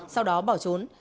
sau đó bỏ trốn